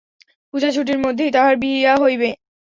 পূজার ছুটির মধ্যেই তাহার বিবাহ হইবে।